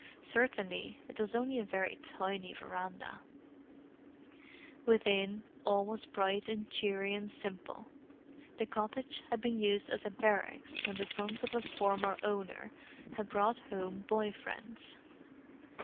Certainly it was only a very tiny verandah. Within, all was bright and cheery and simple. The cottage had been used as a "barracks" when the sons of a former owner had brought home boy friends.